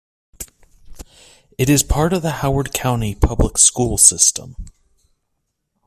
It is part of the Howard County Public School System.